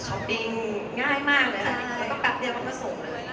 ช้อปปิ้งง่ายมากเลยค่ะแล้วก็แป๊บเดียวก็ส่งเลย